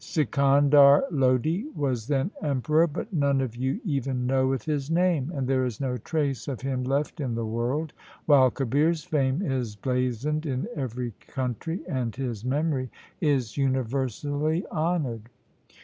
Sikandar Lodi was then emperor ; but none of you even knoweth his name, and there is no trace of him left in the world, while Kabir's fame is blazoned in every country and his memory is universally honoured.